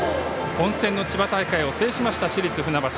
混戦の千葉大会を制しました市立船橋。